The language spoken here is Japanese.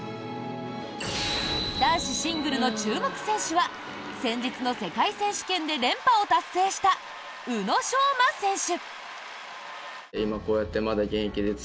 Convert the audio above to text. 男子シングルの注目選手は先日の世界選手権で連覇を達成した宇野昌磨選手。